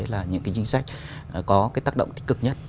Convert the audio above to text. là những chính sách có tác động tích cực nhất